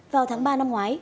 vào tháng ba năm ngoái